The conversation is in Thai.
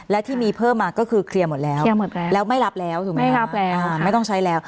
และที่มีเพิ่มมาก็คือเคลียร์หมดแล้วแล้วไม่รับแล้วไม่ต้องใช้แล้ว